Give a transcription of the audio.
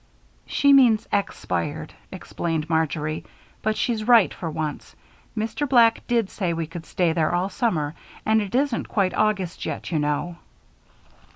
"She means _ex_pired," explained Marjory, "but she's right for once. Mr. Black did say we could stay there all summer, and it isn't quite August yet, you know."